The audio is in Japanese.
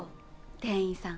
店員さん。